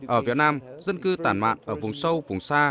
ở việt nam dân cư tàn mạng ở vùng sâu vùng xa